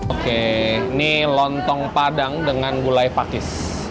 oke ini lontong padang dengan gulai pakis